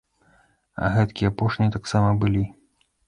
А гэткія, апошнія, таксама былі.